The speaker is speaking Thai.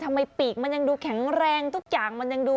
ปีกมันยังดูแข็งแรงทุกอย่างมันยังดู